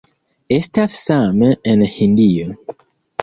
Estas same en Hindio.